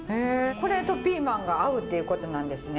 これとピーマンが合うっていうことなんですね。